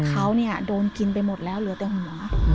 เขานี่อ่ะโดนกินไปหมดแล้วเหลือต้นหัว